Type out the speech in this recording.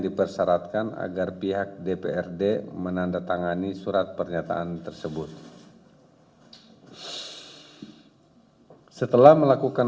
dipersyaratkan agar pihak dprd menandatangani surat pernyataan tersebut setelah melakukan